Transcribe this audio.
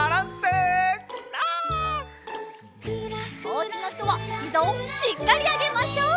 おうちのひとはひざをしっかりあげましょう！